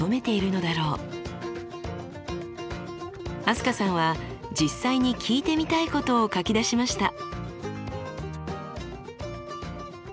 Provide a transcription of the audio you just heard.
飛鳥さんは実際に聞いてみたいことを書き出しました。